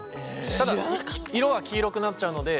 ただ色は黄色くなっちゃうので。